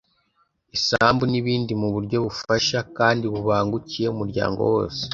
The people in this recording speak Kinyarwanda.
isambu n’ibindi mu buryo bufasha kandi bubangukiye umuryango wose;